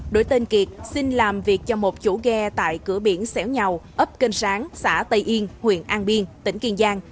đổi tên kiệt xin làm việc cho một chủ ghe tại cửa biển xẻo nhầu ấp kênh sáng xã tây yên huyện an biên tỉnh kiên giang